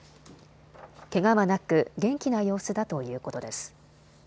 けがはなく元気な様子だということです。